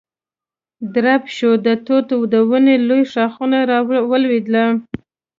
درب شو، د توت د ونو لوی ښاخونه را ولوېدل.